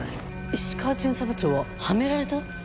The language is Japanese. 石川巡査部長ははめられた？